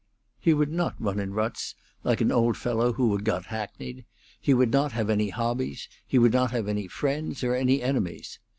He would not run in ruts, like an old fellow who had got hackneyed; he would not have any hobbies; he would not have any friends or any enemies.